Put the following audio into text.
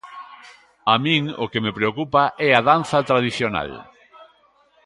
A min o que me preocupa é a danza tradicional.